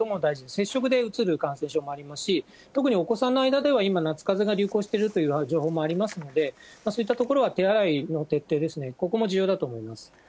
接触でうつる感染症もありますし、特にお子さんの間では、今、夏かぜが流行しているという情報もありますので、そういったところは手洗いの徹底ですね、ここも重要だと思います。